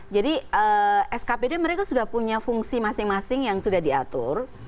jadi skpd mereka sudah punya fungsi masing masing yang sudah diatur